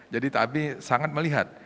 jadi tapi sangat melihat